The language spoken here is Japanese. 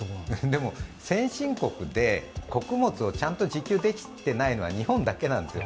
でも先進国で穀物をちゃんと自給できていないのは日本だけなんです。